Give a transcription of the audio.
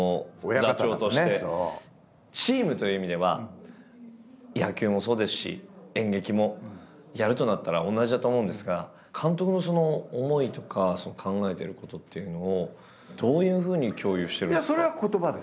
座長としてチームという意味では野球もそうですし演劇もやるとなったら同じだと思うんですが監督の思いとか考えてることっていうのをどういうふうに共有してるんですか？